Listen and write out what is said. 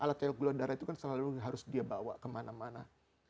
alat teok gula darah itu kan selalu harus dia bawa kemana mana